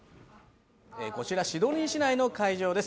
こちらシドニー市内の会場です。